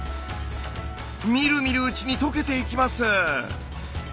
みるみるうちに溶けていきます。